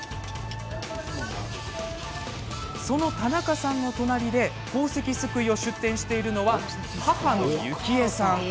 その田中さんの隣で宝石すくいを出店しているのは母の幸枝さん。